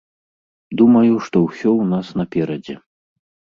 Думаю, што ўсё ў нас наперадзе.